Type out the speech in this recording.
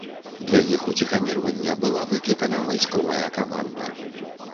Для іх уціхамірвання была выклікана вайсковая каманда.